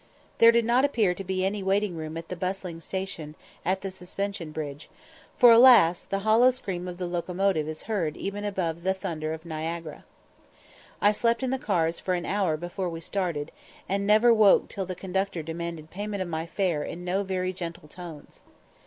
There did not appear to be any waiting room at the bustling station at the suspension bridge, for, alas! the hollow scream of the locomotive is heard even above the thunder of Niagara. I slept in the cars for an hour before we started, and never woke till the conductor demanded payment of my fare in no very gentle tones.